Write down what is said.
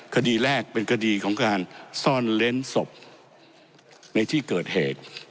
คดีแรกเป็นคดีของการซ่อนเล้นศพในที่เกิดเหตุ